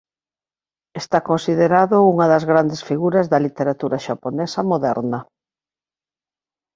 Está considerado unha das grandes figuras da literatura xaponesa moderna.